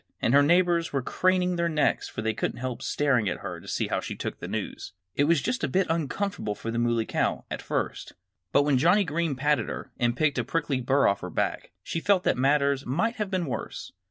And her neighbors were craning their necks, for they couldn't help staring at her to see how she took the news. It was just a bit uncomfortable for the Muley Cow, at first. But when Johnnie Green patted her and picked a prickly burr off her back she felt that matters might have been worse.